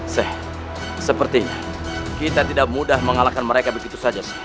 seh seperti kita tidak mudah mengalahkan mereka begitu saja